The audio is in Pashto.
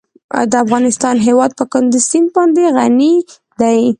د افغانستان هیواد په کندز سیند باندې غني دی.